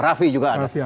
rafi juga ada